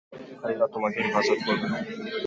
আল্লাহ তোমাকে হেফাজত করবেন।